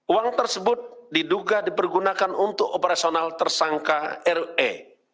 uang tersebut diduga dipergunakan untuk operasional tersangka re